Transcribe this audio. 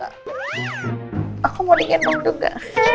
aku mau di gendong juga